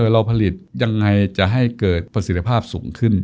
เราผลิตยังไงจะให้เกิดประสิทธิภาพสูงขึ้น